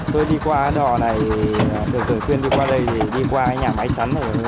tôi đi qua đỏ này thường thường xuyên đi qua đây đi qua nhà máy sắn này